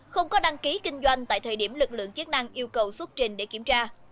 không có đăng ký kinh doanh tại thời điểm lực lượng chức năng yêu cầu xuất trình để kiểm tra